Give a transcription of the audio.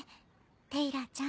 テイラーちゃん。